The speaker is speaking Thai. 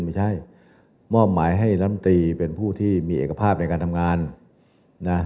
ไม่ใช่มอบหมายให้ลำตีเป็นผู้ที่มีเอกภาพในการทำงานนะ